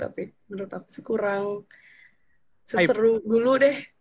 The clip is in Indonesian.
tapi menurut aku kurang seseru dulu deh